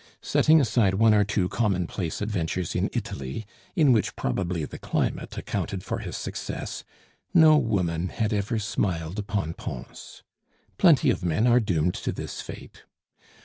Setting aside one or two commonplace adventures in Italy, in which probably the climate accounted for his success, no woman had ever smiled upon Pons. Plenty of men are doomed to this fate.